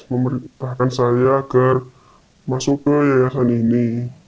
memerintahkan saya agar masuk ke yayasan ini